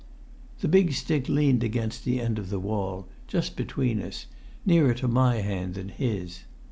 The big stick leant against the end of the wall, just between us, nearer to my hand than his.